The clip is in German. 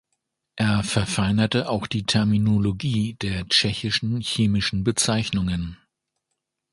Er verfeinerte auch die Terminologie der tschechischen chemischen Bezeichnungen.